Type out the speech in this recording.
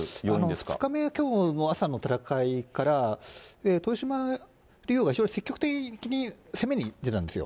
２日目、きょうの朝の戦いから豊島竜王が非常に積極的に攻めに出たんですよ。